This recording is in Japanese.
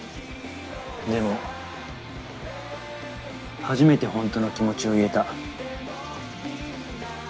でも初めて本当の気持ちを言えた。